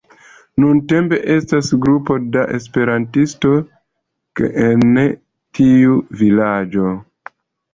Nuntempe estas grupo da esperantistoj en tiu vilaĝo.